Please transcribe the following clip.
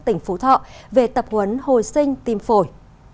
tỉnh phú thọ về tập huấn hồi sinh tim phổi